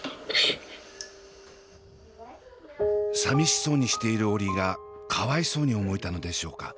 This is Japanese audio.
さみしそうにしているオリィがかわいそうに思えたのでしょうか。